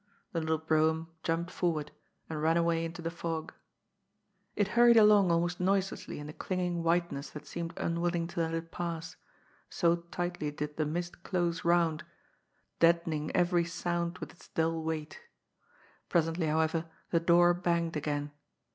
The little brougham jumped forward, and ran away into the fog. It hurried along almost noiselessly in the clinging white ness that seemed unwilling to let it pass, so tightly did the mist close round, deadening every sound with its dull weight Presently, however, the door banged again.